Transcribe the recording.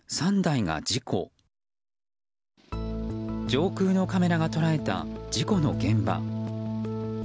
上空のカメラが捉えた事故の現場。